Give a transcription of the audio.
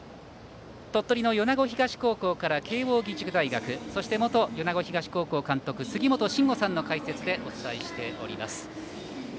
鳥取の米子東高校から慶応義塾大学そして元米子東高校監督杉本真吾さんの解説でお伝えしております。